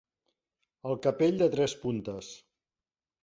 El capell de tres puntes.